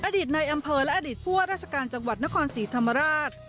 ในอำเภอและอดีตผู้ว่าราชการจังหวัดนครศรีธรรมราช